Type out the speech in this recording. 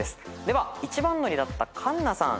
では一番乗りだった環奈さん